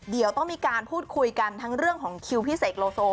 เดี๋ยวต้องมีการพูดคุยกันทั้งเรื่องของคิวพี่เสกโลโซ